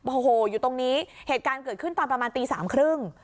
โอ้โหอยู่ตรงนี้เหตุการณ์เกิดขึ้นตอนประมาณตีสามครึ่ง